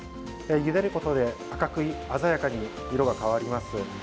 ゆでることで赤く鮮やかに色が変わります。